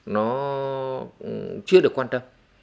nó chưa được quan tâm